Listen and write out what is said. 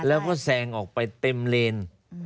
แล้วก็แซงออกไปเต็มเลน